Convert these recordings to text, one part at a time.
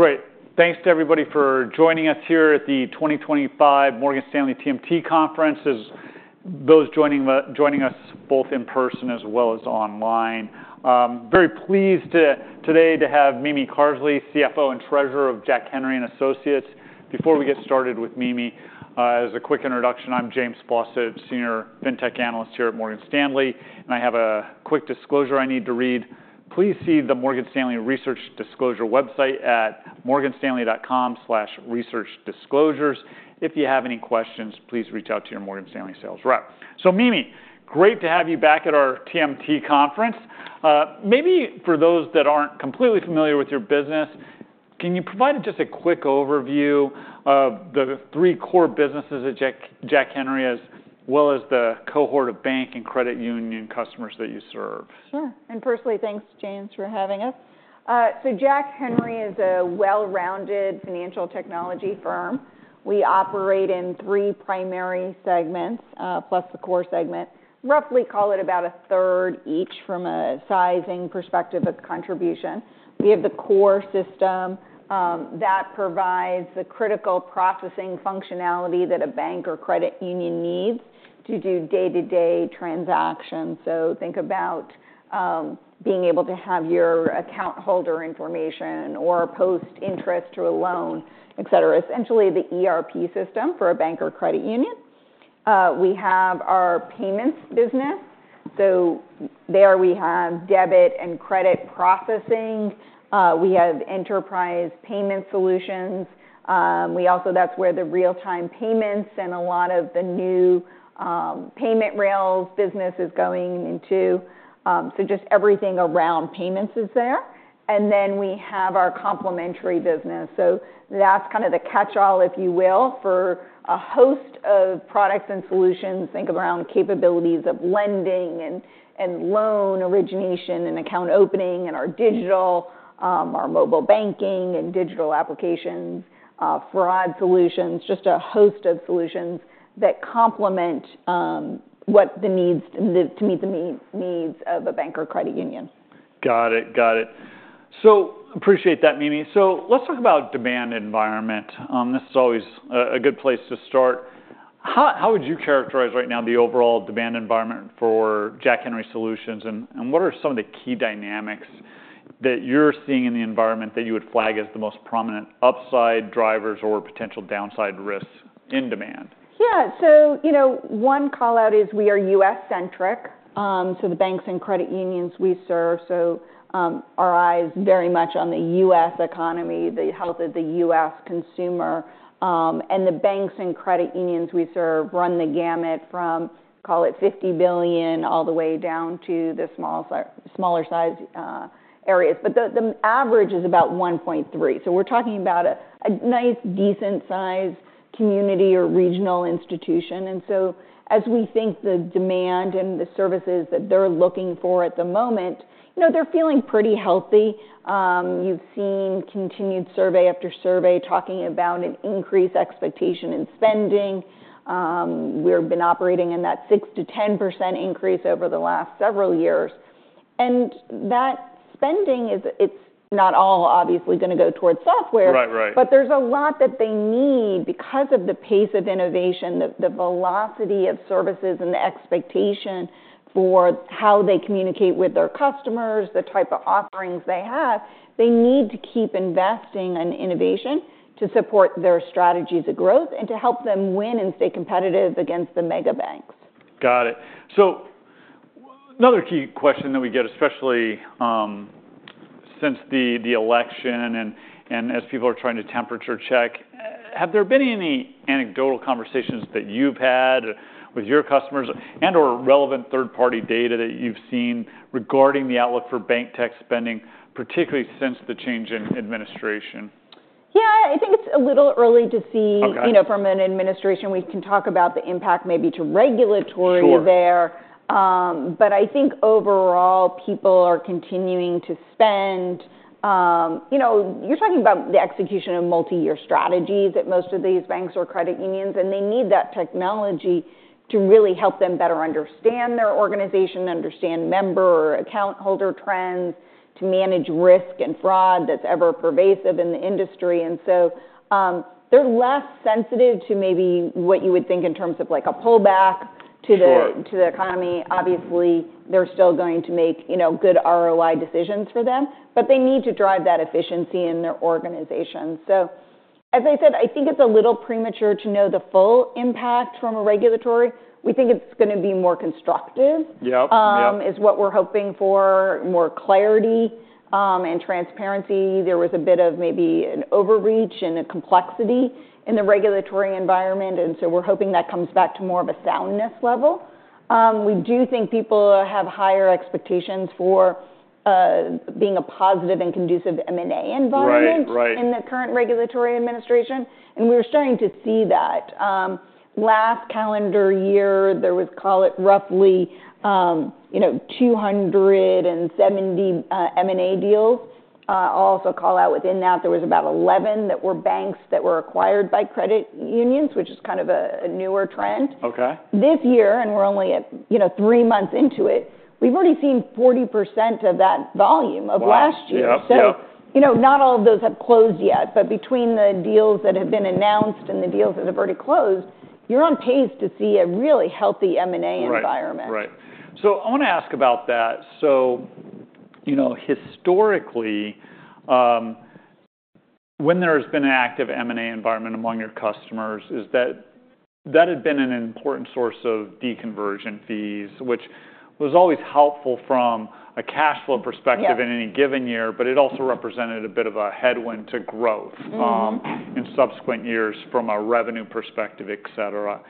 Great. Thanks to everybody for joining us here at the 2025 Morgan Stanley TMT Conference, as well as those joining us both in person as well as online. Very pleased today to have Mimi Carsley, CFO and Treasurer of Jack Henry & Associates. Before we get started with Mimi, as a quick introduction, I'm James Faucette, a senior fintech analyst here at Morgan Stanley, and I have a quick disclosure I need to read. Please see the Morgan Stanley Research Disclosure website at morganstanley.com/researchdisclosures. If you have any questions, please reach out to your Morgan Stanley sales rep. So Mimi, great to have you back at our TMT Conference. Maybe for those that aren't completely familiar with your business, can you provide just a quick overview of the three core businesses that Jack Henry has, as well as the cohort of bank and credit union customers that you serve? Sure. And firstly, thanks, James, for having us. So Jack Henry is a well-rounded financial technology firm. We operate in three primary segments, plus the core segment. Roughly call it about a third each from a sizing perspective of contribution. We have the core system that provides the critical processing functionality that a bank or credit union needs to do day-to-day transactions. So think about being able to have your account holder information or post interest to a loan, et cetera. Essentially, the ERP system for a bank or credit union. We have our payments business. So there we have debit and credit processing. We have enterprise payment solutions. That's where the real-time payments and a lot of the new payment rails business is going into. So just everything around payments is there. And then we have our complementary business. So that's kind of the catch-all, if you will, for a host of products and solutions. Think around capabilities of lending and loan origination and account opening and our digital, our mobile banking and digital applications, fraud solutions, just a host of solutions that complement what's needed to meet the needs of a bank or credit union. Got it. Got it. So appreciate that, Mimi. So let's talk about demand environment. This is always a good place to start. How would you characterize right now the overall demand environment for Jack Henry & Associates, and what are some of the key dynamics that you're seeing in the environment that you would flag as the most prominent upside drivers or potential downside risks in demand? Yeah. One callout is we are U.S.-centric. The banks and credit unions we serve, so our eye is very much on the U.S. economy, the health of the U.S. consumer. The banks and credit unions we serve run the gamut from, call it $50 billion, all the way down to the smaller size areas. But the average is about $1.3 billion. We're talking about a nice, decent-sized community or regional institution. As we think the demand and the services that they're looking for at the moment, they're feeling pretty healthy. You've seen continued survey after survey talking about an increased expectation in spending. We've been operating in that 6%-10% increase over the last several years. That spending, it's not all obviously going to go towards software, but there's a lot that they need because of the pace of innovation, the velocity of services, and the expectation for how they communicate with their customers, the type of offerings they have. They need to keep investing in innovation to support their strategies of growth and to help them win and stay competitive against the mega banks. Got it. So another key question that we get, especially since the election and as people are trying to temperature check, have there been any anecdotal conversations that you've had with your customers and/or relevant third-party data that you've seen regarding the outlook for bank tech spending, particularly since the change in administration? Yeah. I think it's a little early to see from an administration. We can talk about the impact maybe to regulatory there. But I think overall, people are continuing to spend. You're talking about the execution of multi-year strategies at most of these banks or credit unions, and they need that technology to really help them better understand their organization, understand member or account holder trends, to manage risk and fraud that's ever pervasive in the industry. And so they're less sensitive to maybe what you would think in terms of a pullback to the economy. Obviously, they're still going to make good ROI decisions for them, but they need to drive that efficiency in their organization. So as I said, I think it's a little premature to know the full impact from a regulatory. We think it's going to be more constructive is what we're hoping for, more clarity and transparency. There was a bit of maybe an overreach and a complexity in the regulatory environment, and so we're hoping that comes back to more of a soundness level. We do think people have higher expectations for being a positive and conducive M&A environment in the current regulatory administration, and we're starting to see that. Last calendar year, there was, call it roughly 270 M&A deals. I'll also call out within that there was about 11 that were banks that were acquired by credit unions, which is kind of a newer trend. This year, and we're only three months into it, we've already seen 40% of that volume of last year. So not all of those have closed yet, but between the deals that have been announced and the deals that have already closed, you're on pace to see a really healthy M&A environment. Right. So I want to ask about that. So historically, when there has been an active M&A environment among your customers, that had been an important source of deconversion fees, which was always helpful from a cash flow perspective in any given year, but it also represented a bit of a headwind to growth in subsequent years from a revenue perspective, et cetera.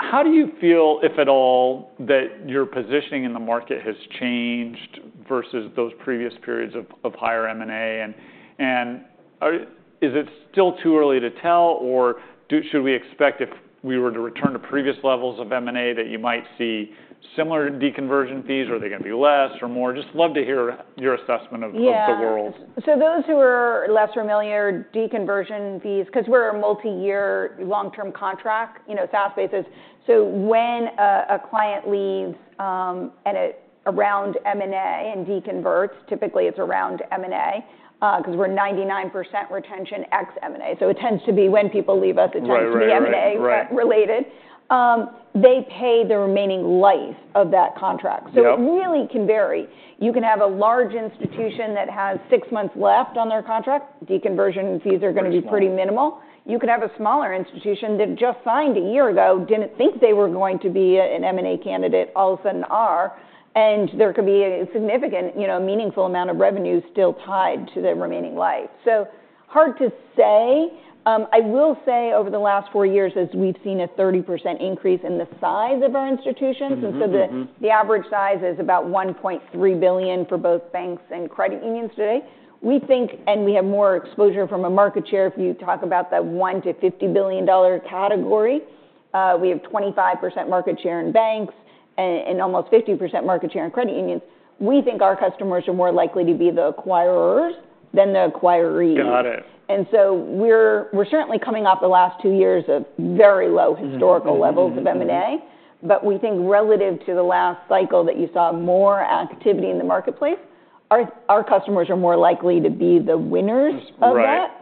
How do you feel, if at all, that your positioning in the market has changed versus those previous periods of higher M&A? And is it still too early to tell, or should we expect if we were to return to previous levels of M&A that you might see similar deconversion fees, or are they going to be less or more? Just love to hear your assessment of the world. So, those who are less familiar, deconversion fees, because we're a multi-year, long-term contract SaaS basis. So when a client leaves and it's around M&A and deconverts, typically it's around M&A, because we're 99% retention ex-M&A. So it tends to be when people leave us, it tends to be M&A related. They pay the remaining life of that contract. So it really can vary. You can have a large institution that has six months left on their contract, deconversion fees are going to be pretty minimal. You can have a smaller institution that just signed a year ago, didn't think they were going to be an M&A candidate, all of a sudden are, and there could be a significant, meaningful amount of revenue still tied to the remaining life. So hard to say. I will say over the last four years, as we've seen a 30% increase in the size of our institutions. The average size is about $1.3 billion for both banks and credit unions today. We think, and we have more exposure from a market share if you talk about the $1 billion-$50 billion category. We have 25% market share in banks and almost 50% market share in credit unions. We think our customers are more likely to be the acquirers than the acquirees. We're certainly coming off the last two years of very low historical levels of M&A, but we think relative to the last cycle that you saw more activity in the marketplace, our customers are more likely to be the winners of that.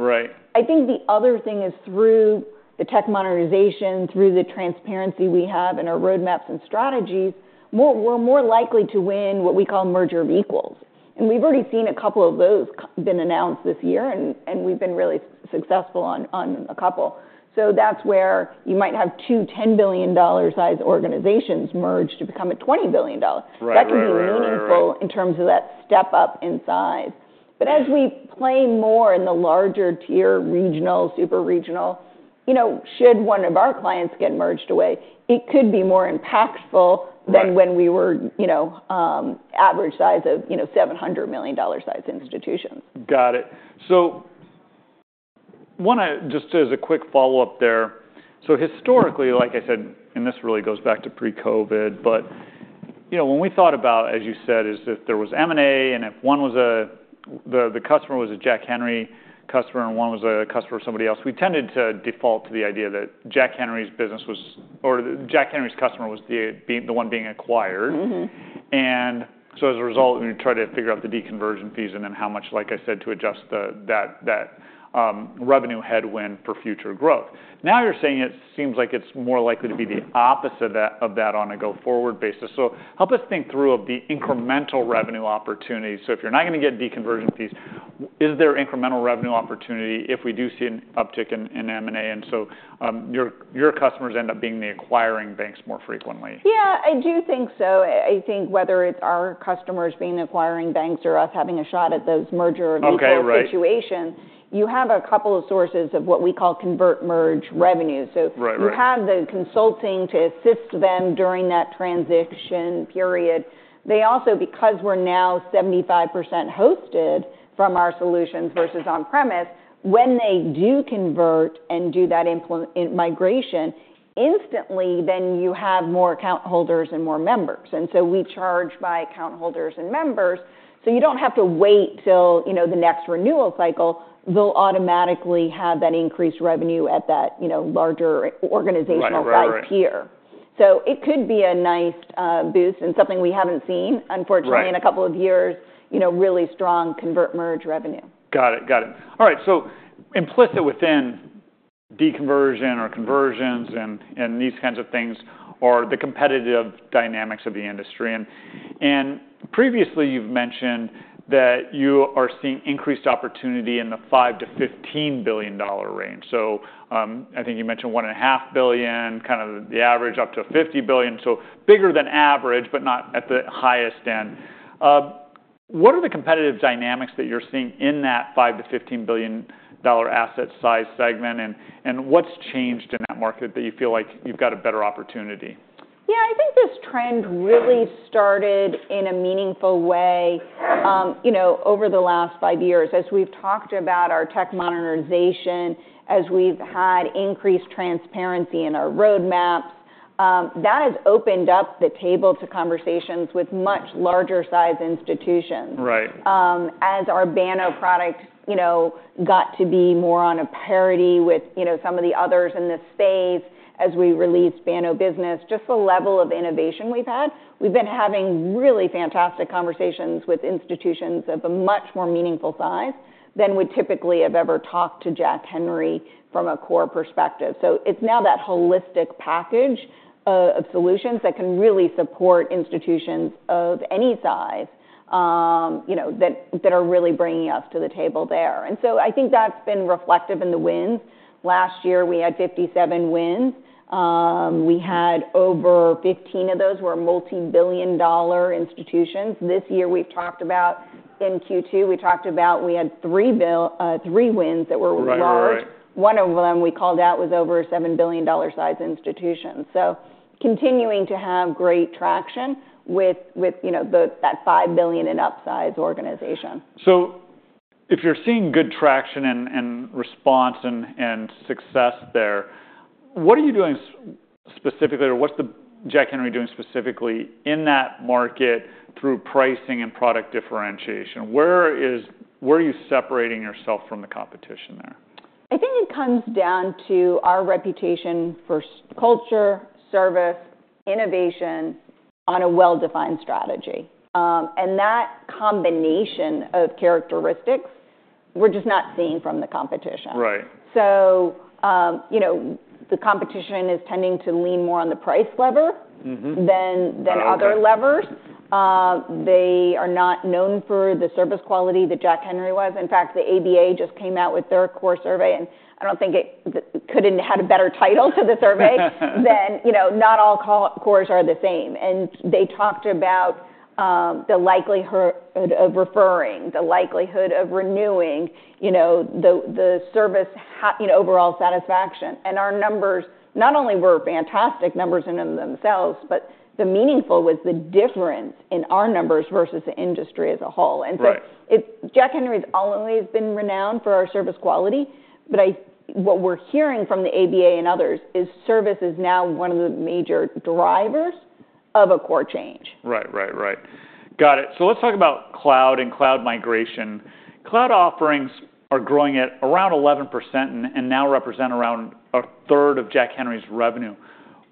I think the other thing is through the tech modernization, through the transparency we have in our roadmaps and strategies, we're more likely to win what we call merger of equals. And we've already seen a couple of those been announced this year, and we've been really successful on a couple. So that's where you might have two $10 billion size organizations merged to become a $20 billion. That can be meaningful in terms of that step up in size. But as we play more in the larger tier, regional, super regional, should one of our clients get merged away, it could be more impactful than when we were average size of $700 million size institutions. Got it. So just as a quick follow-up there, so historically, like I said, and this really goes back to pre-COVID, but when we thought about, as you said, if there was M&A and if the customer was a Jack Henry customer and one was a customer of somebody else, we tended to default to the idea that Jack Henry's business was, or Jack Henry's customer was the one being acquired. And so as a result, we try to figure out the deconversion fees and then how much, like I said, to adjust that revenue headwind for future growth. Now you're saying it seems like it's more likely to be the opposite of that on a go-forward basis. So help us think through the incremental revenue opportunity. So if you're not going to get deconversion fees, is there incremental revenue opportunity if we do see an uptick in M&A? And so your customers end up being the acquiring banks more frequently. Yeah, I do think so. I think whether it's our customers being acquiring banks or us having a shot at those merger of equals situations, you have a couple of sources of what we call convert-merge revenue, so you have the consulting to assist them during that transition period. They also, because we're now 75% hosted from our solutions versus on-premise, when they do convert and do that migration, instantly then you have more account holders and more members, and so we charge by account holders and members, so you don't have to wait till the next renewal cycle. They'll automatically have that increased revenue at that larger organizational size tier, so it could be a nice boost and something we haven't seen, unfortunately, in a couple of years, really strong convert-merge revenue. Got it. Got it. All right. So implicit within deconversion or conversions and these kinds of things are the competitive dynamics of the industry. And previously you've mentioned that you are seeing increased opportunity in the $5 billion-$15 billion range. So I think you mentioned $1.5 billion, kind of the average up to $50 billion. So bigger than average, but not at the highest end. What are the competitive dynamics that you're seeing in that $5 billion-$15 billion asset size segment, and what's changed in that market that you feel like you've got a better opportunity? Yeah. I think this trend really started in a meaningful way over the last five years. As we've talked about our tech modernization, as we've had increased transparency in our roadmaps, that has opened up the table to conversations with much larger size institutions. As our Banno product got to be more on a parity with some of the others in this space as we released Banno Business, just the level of innovation we've had, we've been having really fantastic conversations with institutions of a much more meaningful size than we typically have ever talked to Jack Henry from a core perspective. So it's now that holistic package of solutions that can really support institutions of any size that are really bringing us to the table there. And so I think that's been reflective in the wins. Last year, we had 57 wins. We had over 15 of those were multi-billion-dollar institutions. This year we've talked about in Q2, we talked about we had three wins that were large. One of them we called out was over $7 billion-sized institutions. So continuing to have great traction with that $5 billion and up-sized organization. So if you're seeing good traction and response and success there, what are you doing specifically, or what's Jack Henry doing specifically in that market through pricing and product differentiation? Where are you separating yourself from the competition there? I think it comes down to our reputation for culture, service, innovation on a well-defined strategy, and that combination of characteristics we're just not seeing from the competition, so the competition is tending to lean more on the price lever than other levers. They are not known for the service quality that Jack Henry was. In fact, the ABA just came out with their core survey, and I don't think it could have had a better title to the survey than not all cores are the same, and they talked about the likelihood of referring, the likelihood of renewing, the service overall satisfaction. And our numbers not only were fantastic numbers in and of themselves, but the meaningful was the difference in our numbers versus the industry as a whole. Jack Henry has always been renowned for our service quality, but what we're hearing from the ABA and others is service is now one of the major drivers of a core change. Right, right, right. Got it. So let's talk about cloud and cloud migration. Cloud offerings are growing at around 11% and now represent around a third of Jack Henry's revenue.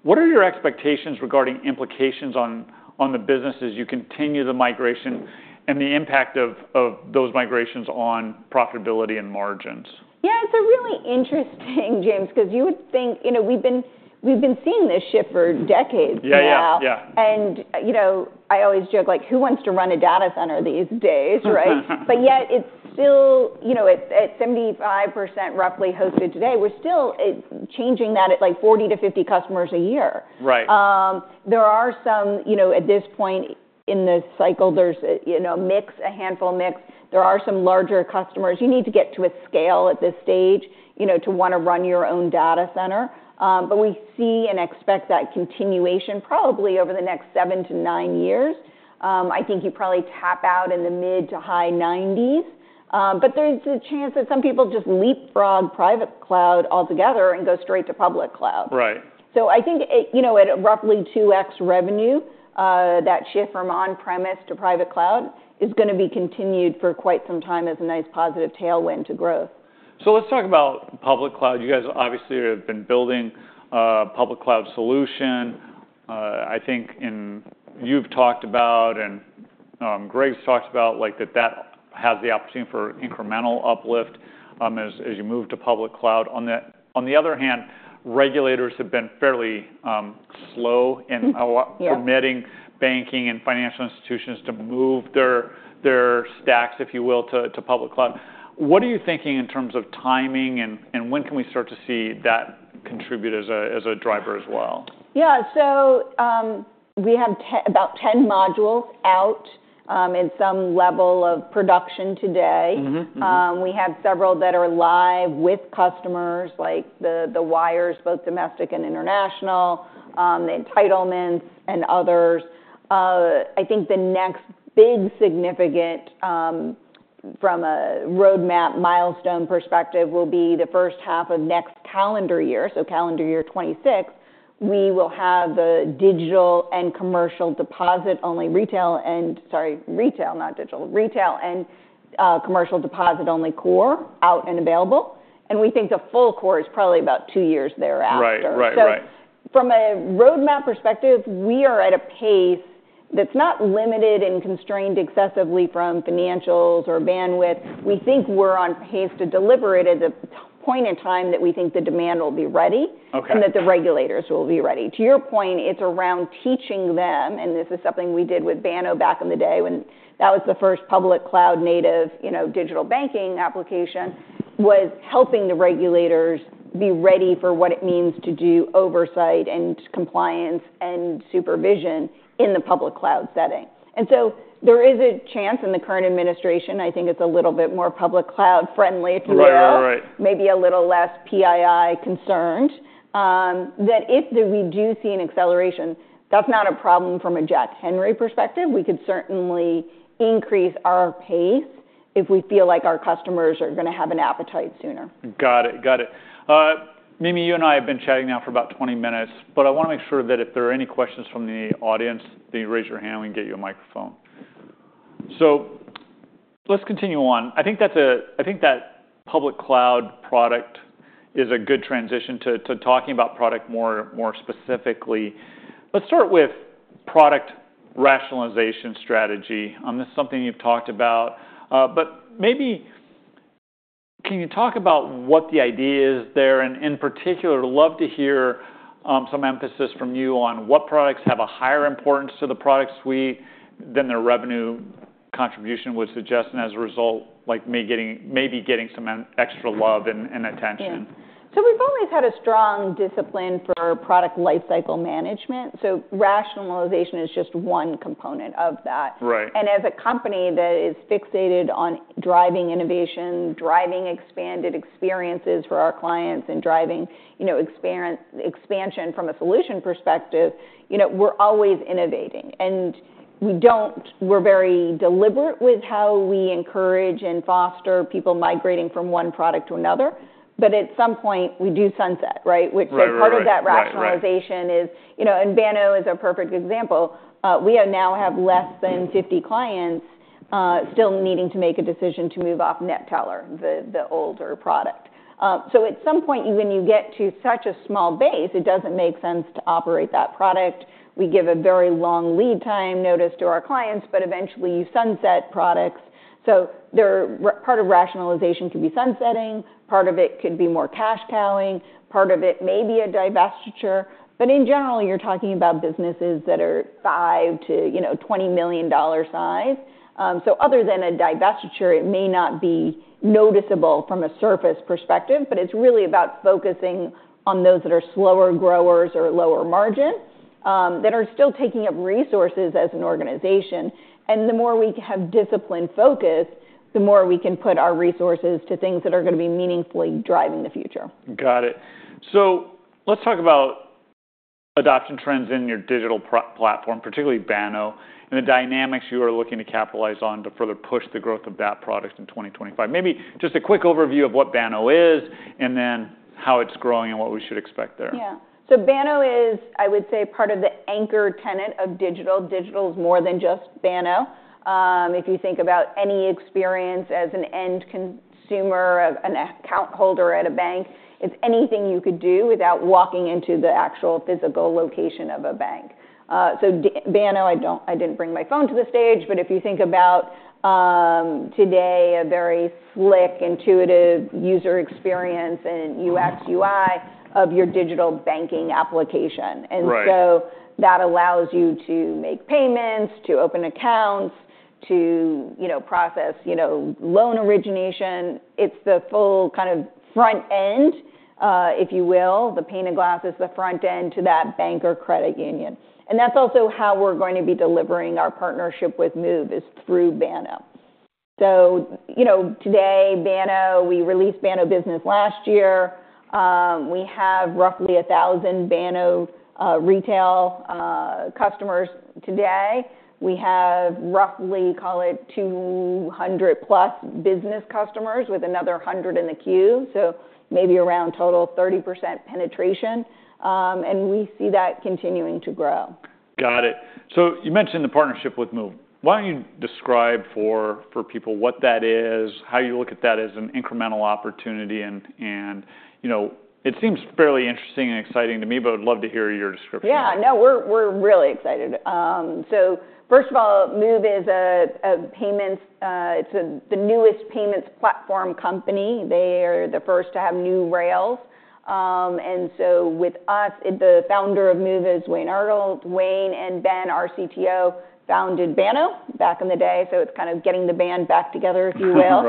What are your expectations regarding implications on the business as you continue the migration and the impact of those migrations on profitability and margins? Yeah, it's a really interesting, James, because you would think we've been seeing this shift for decades now, and I always joke like, who wants to run a data center these days, but yet it's still at 75% roughly hosted today. We're still changing that at like 40-50 customers a year. There are some at this point in the cycle, there's a mix, a handful of mix. There are some larger customers. You need to get to a scale at this stage to want to run your own data center, but we see and expect that continuation probably over the next seven to nine years. I think you probably tap out in the mid- to high 90s. But there's a chance that some people just leapfrog private cloud altogether and go straight to public cloud. So I think at roughly 2x revenue, that shift from on-premise to private cloud is going to be continued for quite some time as a nice positive tailwind to growth. So let's talk about public cloud. You guys obviously have been building a public cloud solution. I think you've talked about and Greg's talked about that has the opportunity for incremental uplift as you move to public cloud. On the other hand, regulators have been fairly slow in permitting banking and financial institutions to move their stacks, if you will, to public cloud. What are you thinking in terms of timing and when can we start to see that contribute as a driver as well? Yeah. So we have about 10 modules out in some level of production today. We have several that are live with customers, like the wires, both domestic and international, the entitlements and others. I think the next big significant from a roadmap milestone perspective will be the first half of next calendar year, so calendar year 2026, we will have the digital and commercial deposit-only retail and, sorry, retail, not digital, retail and commercial deposit-only core out and available. And we think the full core is probably about two years thereafter. So from a roadmap perspective, we are at a pace that's not limited and constrained excessively from financials or bandwidth. We think we're on pace to deliver it at the point in time that we think the demand will be ready and that the regulators will be ready. To your point, it's around teaching them, and this is something we did with Banno back in the day when that was the first public cloud native digital banking application, was helping the regulators be ready for what it means to do oversight and compliance and supervision in the public cloud setting, and so there is a chance in the current administration, I think it's a little bit more public cloud friendly, if you will, maybe a little less PII concerned, that if we do see an acceleration, that's not a problem from a Jack Henry perspective. We could certainly increase our pace if we feel like our customers are going to have an appetite sooner. Got it. Got it. Mimi, you and I have been chatting now for about 20 minutes, but I want to make sure that if there are any questions from the audience, that you raise your hand, we can get you a microphone. So let's continue on. I think that public cloud product is a good transition to talking about product more specifically. Let's start with product rationalization strategy. This is something you've talked about, but maybe can you talk about what the idea is there? And in particular, I'd love to hear some emphasis from you on what products have a higher importance to the product suite than their revenue contribution would suggest and as a result, maybe getting some extra love and attention. So we've always had a strong discipline for product lifecycle management. So rationalization is just one component of that. And as a company that is fixated on driving innovation, driving expanded experiences for our clients, and driving expansion from a solution perspective, we're always innovating. And we're very deliberate with how we encourage and foster people migrating from one product to another. But at some point, we do sunset, right? Part of that rationalization is, and Banno is a perfect example, we now have less than 50 clients still needing to make a decision to move off NetTeller, the older product. So at some point, when you get to such a small base, it doesn't make sense to operate that product. We give a very long lead time notice to our clients, but eventually you sunset products. So part of rationalization could be sunsetting. Part of it could be more cash cowing. Part of it may be a divestiture. But in general, you're talking about businesses that are $5 million-$20 million size. So other than a divestiture, it may not be noticeable from a surface perspective, but it's really about focusing on those that are slower growers or lower margin that are still taking up resources as an organization. And the more we have discipline focused, the more we can put our resources to things that are going to be meaningfully driving the future. Got it. So let's talk about adoption trends in your digital platform, particularly Banno, and the dynamics you are looking to capitalize on to further push the growth of that product in 2025. Maybe just a quick overview of what Banno is and then how it's growing and what we should expect there. Yeah. So Banno is, I would say, part of the anchor tenet of digital. Digital is more than just Banno. If you think about any experience as an end consumer, an account holder at a bank, it's anything you could do without walking into the actual physical location of a bank. So Banno, I didn't bring my phone to the stage, but if you think about today, a very slick, intuitive user experience and UX/UI of your digital banking application. And so that allows you to make payments, to open accounts, to process loan origination. It's the full kind of front end, if you will. The pane of glass is the front end to that bank or credit union. And that's also how we're going to be delivering our partnership with Moov is through Banno. So today, Banno, we released Banno Business last year. We have roughly 1,000 Banno retail customers today. We have roughly, call it 200+ business customers with another 100 in the queue, so maybe around total 30% penetration, and we see that continuing to grow. Got it. So you mentioned the partnership with Moov. Why don't you describe for people what that is, how you look at that as an incremental opportunity? And it seems fairly interesting and exciting to me, but I'd love to hear your description. Yeah. No, we're really excited. So first of all, Moov is a payments. It's the newest payments platform company. They are the first to have new rails. And so with us, the founder of Moov is Wade Arnold. Wade Arnold and Ben, our CTO, founded Banno back in the day. So it's kind of getting the band back together, if you will,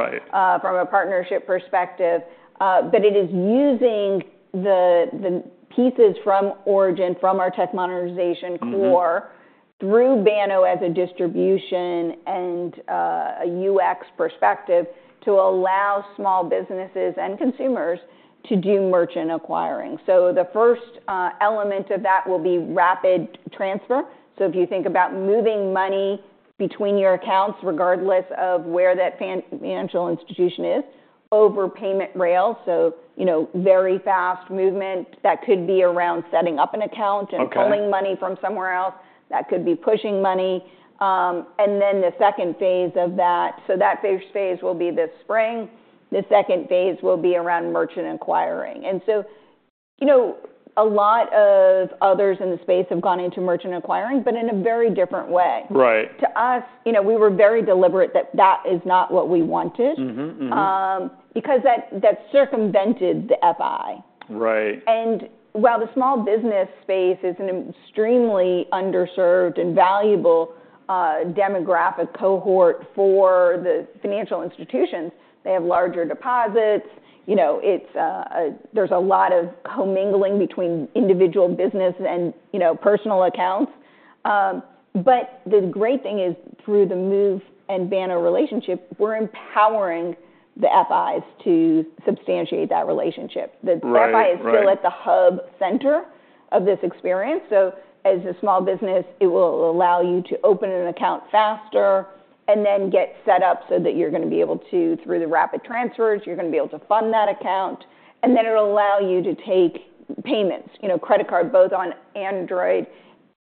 from a partnership perspective. But it is using the pieces from origin, from our tech modernization core, through Banno as a distribution and a UX perspective to allow small businesses and consumers to do merchant acquiring. So the first element of that will be rapid transfer. So if you think about moving money between your accounts, regardless of where that financial institution is, over payment rails, so very fast movement that could be around setting up an account and pulling money from somewhere else. That could be pushing money. And then the second phase of that, so that first phase will be this spring. The second phase will be around merchant acquiring. And so a lot of others in the space have gone into merchant acquiring, but in a very different way. To us, we were very deliberate that that is not what we wanted because that circumvented the FI. And while the small business space is an extremely underserved and valuable demographic cohort for the financial institutions, they have larger deposits. There's a lot of co-mingling between individual business and personal accounts. But the great thing is through the Moov and Banno relationship, we're empowering the FIs to substantiate that relationship. The FI is still at the hub center of this experience. So, as a small business, it will allow you to open an account faster and then get set up so that you're going to be able to, through the rapid transfers, you're going to be able to fund that account. And then it will allow you to take payments, credit card, both on Android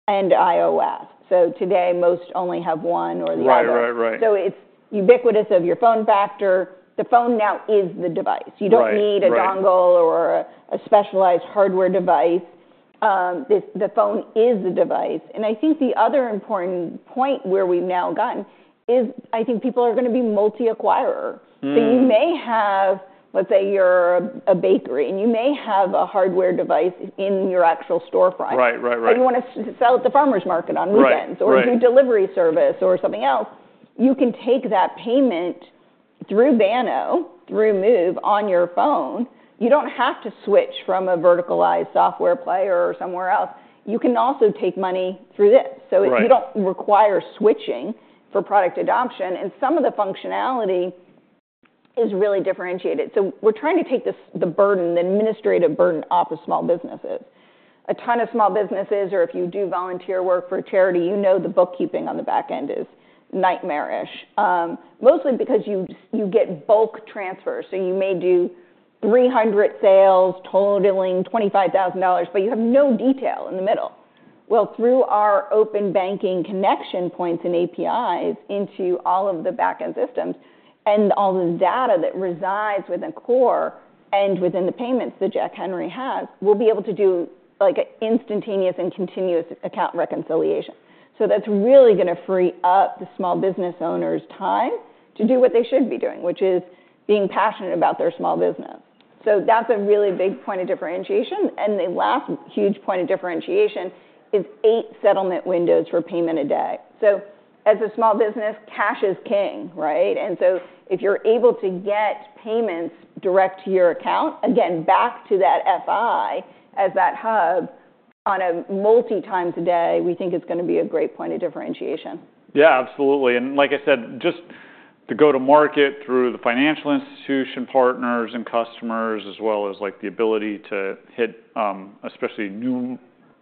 and iOS. So today, most only have one or the other. So it's ubiquitous of your form factor. The phone now is the device. You don't need a dongle or a specialized hardware device. The phone is the device. And I think the other important point where we've now gotten is I think people are going to be multi-acquirer. So you may have, let's say you're a bakery and you may have a hardware device in your actual storefront. And you want to sell at the farmer's market on weekends or do delivery service or something else, you can take that payment through Banno, through Moov on your phone. You don't have to switch from a verticalized software player or somewhere else. You can also take money through this. So you don't require switching for product adoption. And some of the functionality is really differentiated. So we're trying to take the burden, the administrative burden off of small businesses. A ton of small businesses, or if you do volunteer work for a charity, you know the bookkeeping on the back end is nightmarish, mostly because you get bulk transfers. So you may do 300 sales, totaling $25,000, but you have no detail in the middle. Through our open banking connection points and APIs into all of the backend systems and all the data that resides within the core and within the payments that Jack Henry has, we'll be able to do instantaneous and continuous account reconciliation. That's really going to free up the small business owner's time to do what they should be doing, which is being passionate about their small business. That's a really big point of differentiation. The last huge point of differentiation is eight settlement windows for payment a day. As a small business, cash is king, right? If you're able to get payments direct to your account, again, back to that FI as that hub on a multi times a day, we think it's going to be a great point of differentiation. Yeah, absolutely. And like I said, just the go-to-market through the financial institution partners and customers, as well as the ability to hit especially new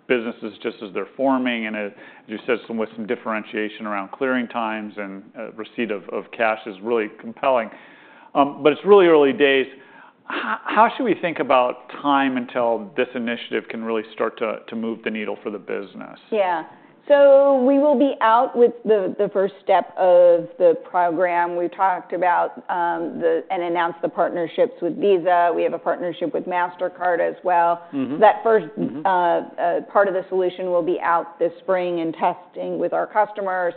businesses just as they're forming. And as you said, with some differentiation around clearing times and receipt of cash is really compelling. But it's really early days. How should we think about time until this initiative can really start to move the needle for the business? Yeah. So we will be out with the first step of the program. We've talked about and announced the partnerships with Visa. We have a partnership with Mastercard as well. So that first part of the solution will be out this spring and testing with our customers.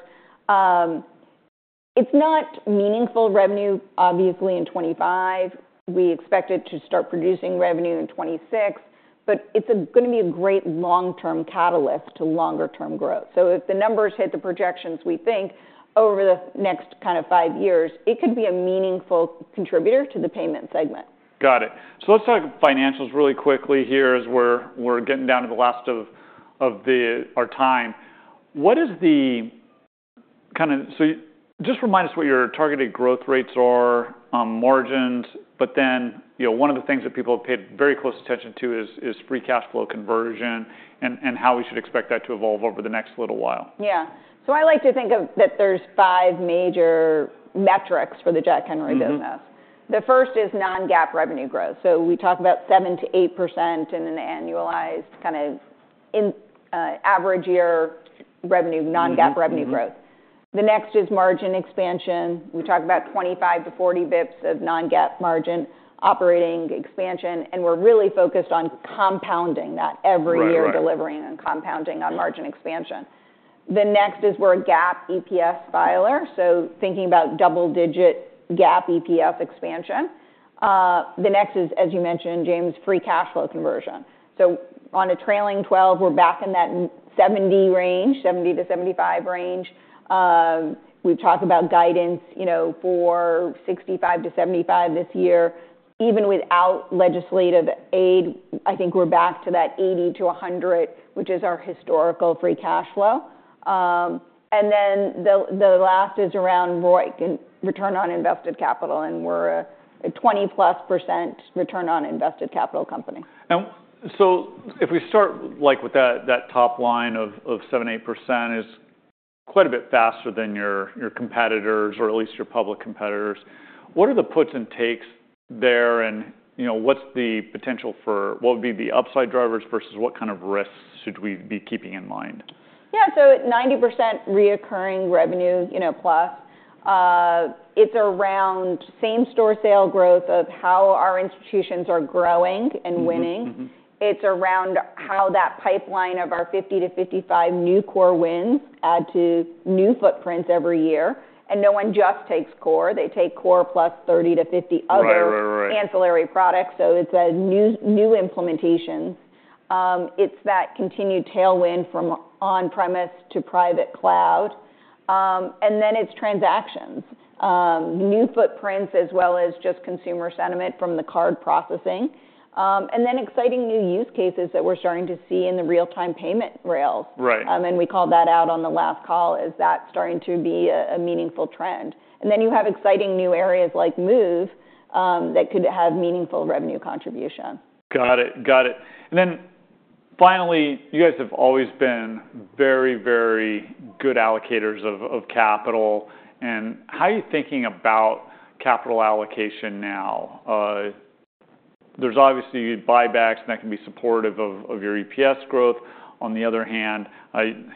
It's not meaningful revenue, obviously, in 2025. We expect it to start producing revenue in 2026, but it's going to be a great long-term catalyst to longer-term growth. So if the numbers hit the projections, we think over the next kind of five years, it could be a meaningful contributor to the payment segment. Got it. So let's talk financials really quickly here as we're getting down to the last of our time. What is the kind of, so just remind us what your targeted growth rates are, margins, but then one of the things that people have paid very close attention to is free cash flow conversion and how we should expect that to evolve over the next little while? Yeah. So I like to think of that there's five major metrics for the Jack Henry business. The first is non-GAAP revenue growth. So we talk about 7%-8% in an annualized kind of average year revenue, non-GAAP revenue growth. The next is margin expansion. We talk about 25-40 basis points of non-GAAP margin operating expansion. And we're really focused on compounding that every year delivering and compounding on margin expansion. The next is we're a GAAP EPS filer. So thinking about double-digit GAAP EPS expansion. The next is, as you mentioned, James, free cash flow conversion. So on a trailing 12, we're back in that 70% range, 70%-75% range. We've talked about guidance for 65%-75% this year. Even without legislative aid, I think we're back to that 80%-100%, which is our historical free cash flow. And then the last is around return on invested capital. And we're a 20+% return on invested capital company. Now, so if we start with that top line of 7%-8% is quite a bit faster than your competitors or at least your public competitors. What are the puts and takes there? And what's the potential for what would be the upside drivers versus what kind of risks should we be keeping in mind? Yeah. So, at 90% recurring revenue plus, it's around same-store sales growth of how our institutions are growing and winning. It's around how that pipeline of our 50-55 new core wins add to new footprints every year. And no one just takes core. They take core plus 30-50 other ancillary products. So it's a new implementation. It's that continued tailwind from on-premise to private cloud. And then it's transactions, new footprints as well as just consumer sentiment from the card processing. And then exciting new use cases that we're starting to see in the real-time payment rails. And we called that out on the last call as that's starting to be a meaningful trend. And then you have exciting new areas like Moov that could have meaningful revenue contribution. Got it. Got it. And then finally, you guys have always been very, very good allocators of capital. And how are you thinking about capital allocation now? There's obviously buybacks and that can be supportive of your EPS growth. On the other hand,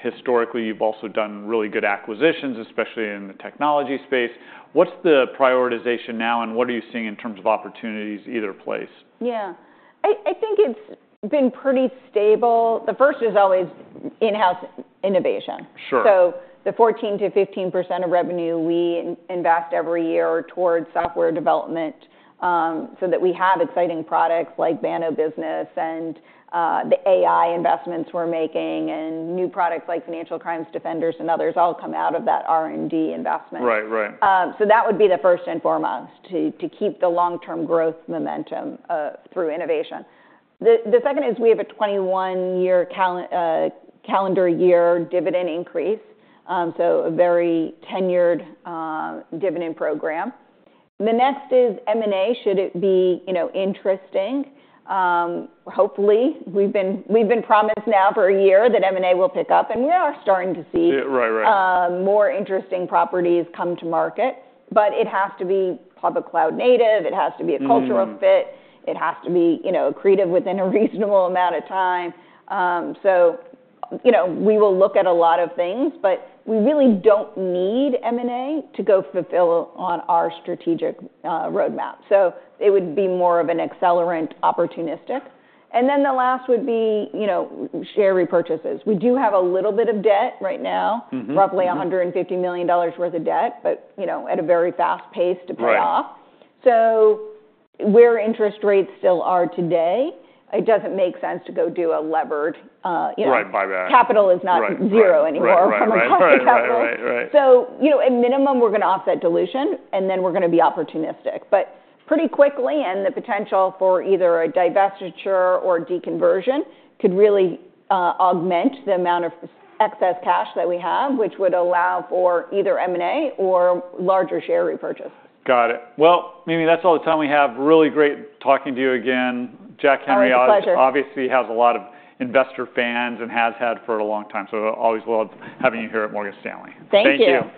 historically, you've also done really good acquisitions, especially in the technology space. What's the prioritization now and what are you seeing in terms of opportunities either place? Yeah. I think it's been pretty stable. The first is always in-house innovation. So the 14%-15% of revenue we invest every year towards software development so that we have exciting products like Banno Business and the AI investments we're making and new products like Financial Crimes Defender and others all come out of that R&D investment. So that would be the first and foremost to keep the long-term growth momentum through innovation. The second is we have a 21-year calendar year dividend increase. So a very tenured dividend program. The next is M&A. Should it be interesting? Hopefully, we've been promised now for a year that M&A will pick up. And we are starting to see more interesting properties come to market. But it has to be public cloud native. It has to be a cultural fit. It has to be accretive within a reasonable amount of time. So we will look at a lot of things, but we really don't need M&A to go fulfill on our strategic roadmap. So it would be more of an accelerant opportunistic. And then the last would be share repurchases. We do have a little bit of debt right now, roughly $150 million worth of debt, but at a very fast pace to pay off. So where interest rates still are today, it doesn't make sense to go do a levered. Right, buyback. Capital is not zero anymore from across the capital, so at minimum, we're going to offset dilution, and then we're going to be opportunistic, but pretty quickly, and the potential for either a divestiture or deconversion could really augment the amount of excess cash that we have, which would allow for either M&A or larger share repurchases. Got it. Mimi, that's all the time we have. Really great talking to you again. Jack Henry, obviously, has a lot of investor fans and has had for a long time. Always loved having you here at Morgan Stanley. Thank you.